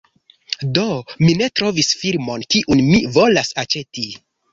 Do, mi ne trovis filmon, kiun mi volas aĉeti